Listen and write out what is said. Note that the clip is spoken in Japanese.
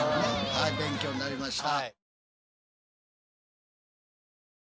はい勉強になりました。